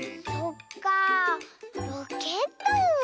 そっかあ。